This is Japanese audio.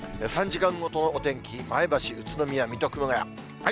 ３時間ごとのお天気、前橋、宇都宮、水戸、熊谷。